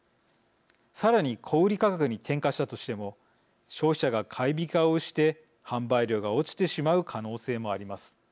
さらに小売価格に転嫁したとしても消費者が買い控えをして販売量が落ちてしまう可能性もあります。